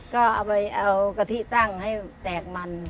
ก็เอาไปเอากะทิตั้งให้แตกมัน